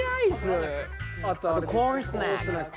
あとはコーンスナック。